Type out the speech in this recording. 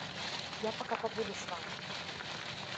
Я пока побуду с вами.